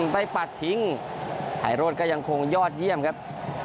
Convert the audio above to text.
ไปปัดทิ้งถ่ายโรดก็ยังคงยอดเยี่ยมครับ